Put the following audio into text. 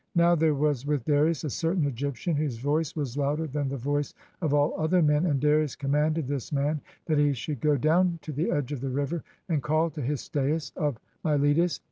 Now there was with Darius a certain Egyptian, whose voice was louder than the voice of all other men; and Darius commanded this man that he should go down to the edge of the river, and call to Histiaeus of Miletus.